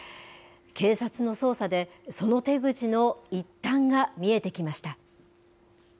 警察の捜査で、その手口の一端が見えてきました。